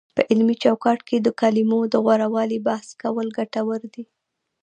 په علمي چوکاټ کې د کلمو د غوره والي بحث کول ګټور دی،